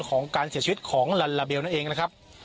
ของการเสียชีวิตของลัลลาเบลนั่นเองนะครับ